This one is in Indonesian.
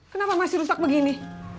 kenapa masih rusak begini